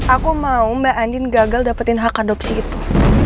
aku mau mbak andin gagal dapatin hak adopsi itu